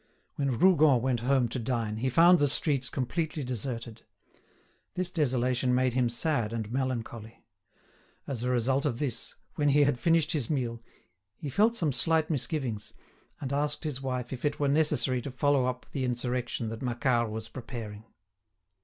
When Rougon went home to dine, he found the streets completely deserted. This desolation made him sad and melancholy. As a result of this, when he had finished his meal, he felt some slight misgivings, and asked his wife if it were necessary to follow up the insurrection that Macquart was preparing.